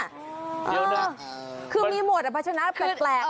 เดี๋ยวนะคือมีหมวดอภาชนาศแปลกแปลกอ่ะ